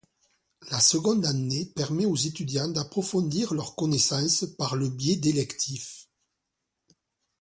La seconde année permet aux étudiants d'approfondir leurs connaissances par le biais d'électifs.